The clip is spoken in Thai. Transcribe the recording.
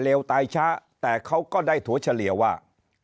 ตายช้าแต่เขาก็ได้ถั่วเฉลี่ยว่า